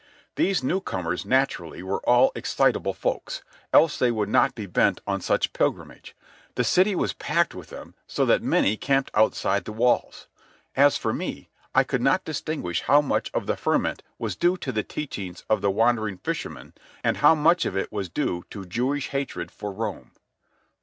These newcomers, naturally, were all excitable folk, else they would not be bent on such pilgrimage. The city was packed with them, so that many camped outside the walls. As for me, I could not distinguish how much of the ferment was due to the teachings of the wandering fisherman, and how much of it was due to Jewish hatred for Rome.